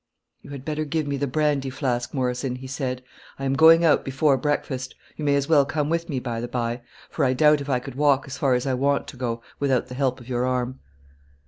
"You had better give me the brandy flask, Morrison," he said. "I am going out before breakfast. You may as well come with me, by the by; for I doubt if I could walk as far as I want to go, without the help of your arm."